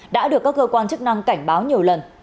đã được các cơ quan chức năng cảnh báo nhiều lần